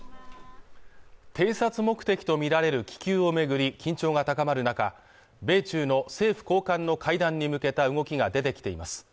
偵察目的とみられる気球を巡り緊張が高まる中米中の政府高官の会談に向けた動きが出てきています